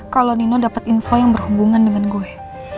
kalau nino dapat info yang berhubungan dengan gue